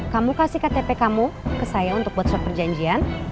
kamu kasih ktp kamu ke saya untuk buat surat perjanjian